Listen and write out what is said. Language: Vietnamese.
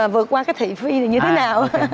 vượt qua cái thị phi như thế nào